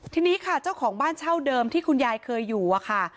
ทีนี้ค่ะเจ้าของบ้านเช่าเดิมที่คุณยายเคยอยู่อะค่ะ